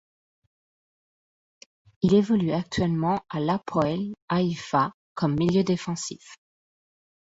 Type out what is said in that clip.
Il évolue actuellement à l'Hapoël Haïfa, comme milieu défensif.